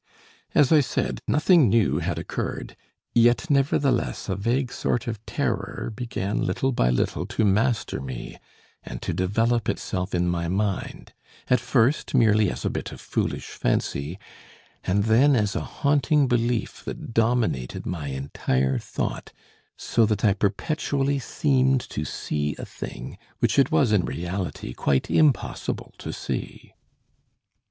As I said, nothing new had occurred, yet nevertheless a vague sort of terror began little by little to master me and to develop itself in my mind, at first merely as a bit of foolish fancy, and then as a haunting belief that dominated my entire thought, so that I perpetually seemed to see a thing which it was in reality quite impossible to see."